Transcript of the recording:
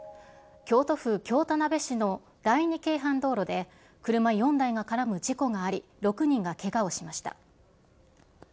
京都府京田辺市の第二京阪道路で、車４台が絡む事故があり、６人がけがをしました。